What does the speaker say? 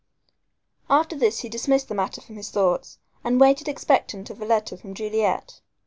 After this he dismissed the matter from his thoughts and waited expectant of a letter from Juliet.